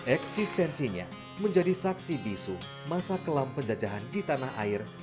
eksistensinya menjadi saksi bisu masa kelam penjajahan di tanah air